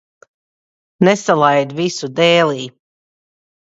Nesalaid visu dēlī.